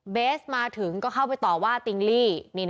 เบสมาถึงก็เข้าไปต่อว่าติงลี่